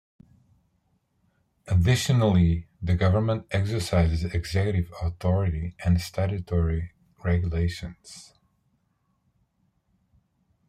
Additionally, the government exercises executive authority and statutory regulations.